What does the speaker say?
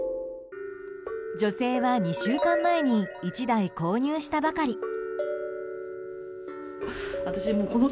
女性は２週間前に１台購入したばかり。